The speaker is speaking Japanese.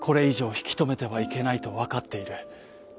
ひきとめてはいけないとわかっている。